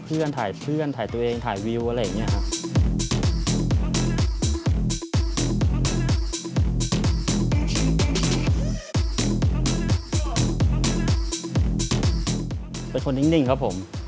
เป็นคนทิ้งครับผม